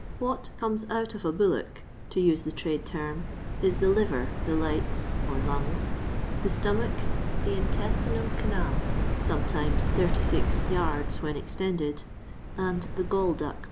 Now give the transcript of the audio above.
What " comes out of a bullock," to use the trade term, is the liver, the lights (or lungs), the stomach, the intestinal canal (sometimes 86 yards when extended), and the gall duct.